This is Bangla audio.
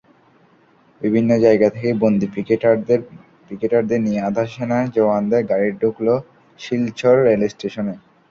বিভিন্ন জায়গা থেকে বন্দী পিকেটারদের নিয়ে আধা-সেনা জওয়ানদের গাড়ি ঢুকল শিলচর রেলস্টেশনে।